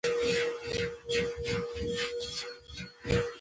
کره شمېرې پیدا کول ستونزمن دي.